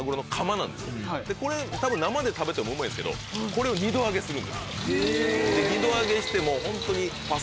これたぶん生で食べてもうまいんですけどこれを２度揚げするんです。